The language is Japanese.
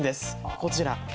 こちら。